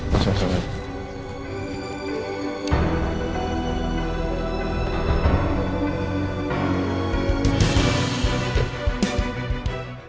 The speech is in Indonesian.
masuk masuk masuk